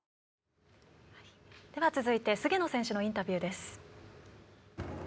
続いて、菅野選手のインタビューです。